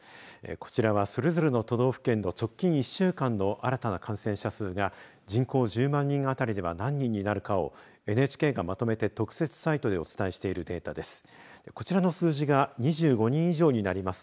こちらは、それぞれの都道府県の直近１週間の新たな感染者数が人口１０万人あたりでは何人になるかをＮＨＫがまとめて特設サイトでお伝えしているデータです。